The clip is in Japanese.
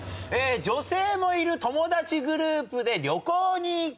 女性もいる友達グループで旅行に行く。